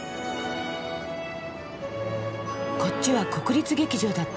こっちは国立劇場だって。